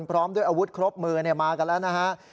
พร้อมด้วยอาวุธครบมือมากันแล้วนะฮะ